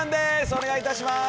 お願いいたします。